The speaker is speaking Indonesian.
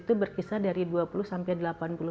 itu berkisar dari dua puluh sampai delapan puluh